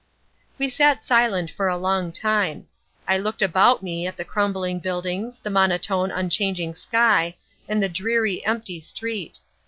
We sat silent for a long time. I looked about me at the crumbling buildings, the monotone, unchanging sky, and the dreary, empty street.